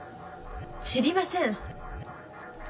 知りません！